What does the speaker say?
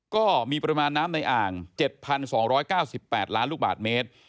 ก็มีปริมาณน้ำในอ่าง๗๒๙๘ล้านลูกบาทเมตร